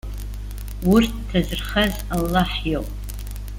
Урҭ ҭазырхаз Аллаҳ иоуп.